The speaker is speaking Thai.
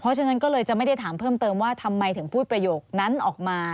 เพราะฉะนั้นก็เลยจะไม่ได้ถามเพิ่มเติมว่าทำไมถึงพูดประโยคนั้นออกมา